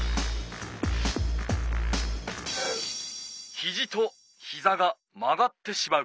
ひじとひざが曲がってしまう。